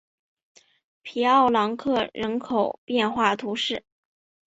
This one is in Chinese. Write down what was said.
皮奥朗克人口变化图示